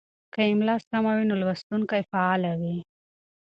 که املا سمه وي نو لوستونکی فعاله وي.